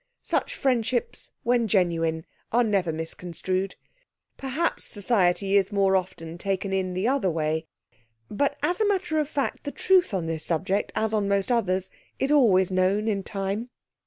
Such friendships, when genuine, are never misconstrued. Perhaps society is more often taken in the other way. But as a matter of fact the truth on this subject, as on most others, is always known in time.